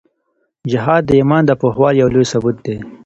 جهاد د ایمان د پخوالي یو لوی ثبوت دی.